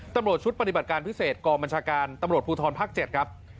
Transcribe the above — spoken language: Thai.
ตำรวจชุดปฏิบัติการพิเศษกองบัญชาการตำรวจภูทรภาค๗ครับ